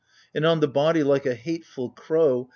And on the body, like a hateful crow.